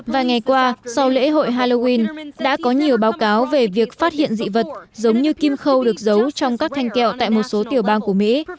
và ngày qua sau lễ hội halloween đã có nhiều báo cáo về việc phát hiện dị vật giống như kim khâu được giấu trong các thanh kẹo tại một số tiểu bang của mỹ